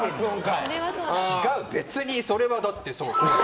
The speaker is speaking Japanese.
違う、別にそれはだってそう。